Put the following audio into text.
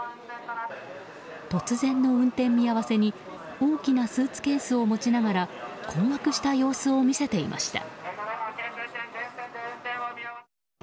突然の運転見合わせに大きなスーツケースを持ちながら困惑した様子を見せていました。